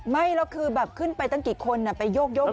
ไม่เราคือแบบขึ้นไปตั้งกี่คนไปโยกแบบนั้น